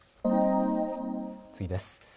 次です。